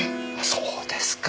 そうですか。